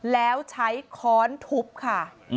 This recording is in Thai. แล้วใช้ค้อนทุบค่ะ